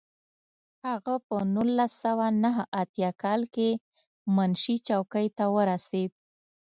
هغه په نولس سوه نهه اتیا کال کې منشي څوکۍ ته ورسېد.